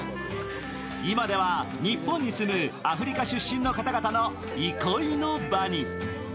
今では日本に住むアフリカ出身の方々の憩いの場に。